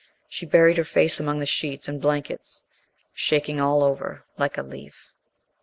She buried her face among the sheets and blankets, shaking all over like a leaf.